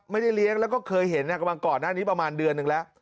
ไม่ได้เลี้ยงแล้วก็เคยเห็นกำลังก่อนหน้านี้ประมาณเดือนหนึ่งแล้ว